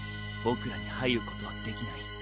僕らに入ることはできない。